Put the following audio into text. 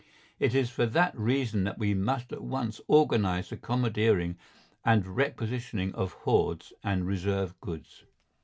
It is for that reason that we must at once organise the commandeering and requisitioning of hoards and reserved goods.